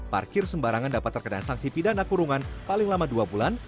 parkir sembarangan dapat terkena sanksi pidana kurungan paling lama dua bulan